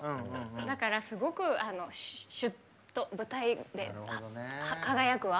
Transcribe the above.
だから、すごくしゅっと舞台で輝くわ。